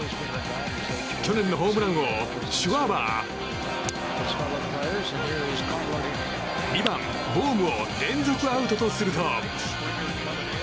去年のホームラン王シュワーバー２番、ボームを連続アウトとすると。